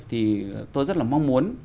thì tôi rất là mong muốn